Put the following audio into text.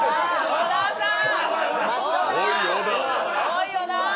小田さん！